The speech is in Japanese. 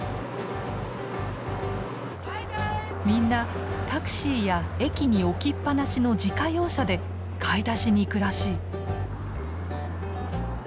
みんなタクシーや駅に置きっぱなしの自家用車で買い出しに行くらしい。